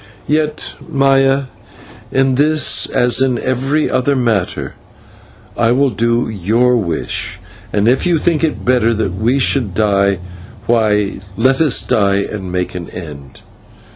Yet, Maya, in this as in every other matter, I will do your wish, and if you think it better that we should die, why let us die and make an end."